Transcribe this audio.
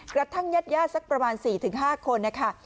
กระทั่งญาติสักประมาณ๔๕คนนะคะ